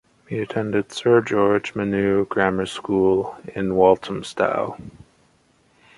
He attended Sir George Monoux Grammar School in Walthamstow.